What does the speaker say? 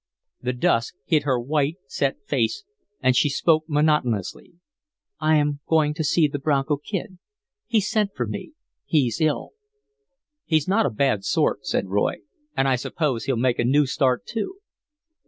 The dusk hid her white, set face and she spoke monotonously. "I am going to see the Bronco Kid. He sent for me. He's ill." "He's not a bad sort," said Roy. "And I suppose he'll make a new start, too."